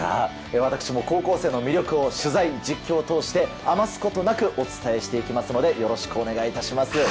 私も高校生の魅力を取材・実況を通して、余すことなくお伝えしていきますので、よろしくお願いいたします。